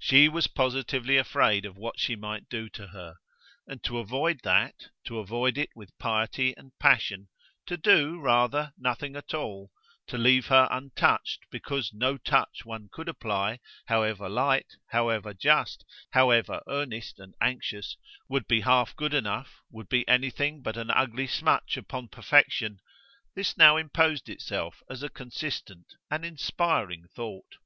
She was positively afraid of what she might do to her, and to avoid that, to avoid it with piety and passion, to do, rather, nothing at all, to leave her untouched because no touch one could apply, however light, however just, however earnest and anxious, would be half good enough, would be anything but an ugly smutch upon perfection this now imposed itself as a consistent, an inspiring thought.